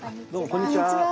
こんにちは。